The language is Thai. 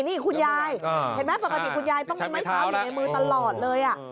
นี่คุณยายเห็นไหมปกติคุณยายต้องมีไม้เท้าอยู่ในมือตลอดเลย